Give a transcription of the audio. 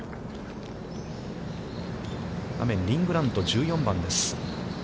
画面、リン・グラント、１４番です。